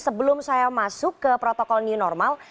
sebelum saya masuk ke protokol new normal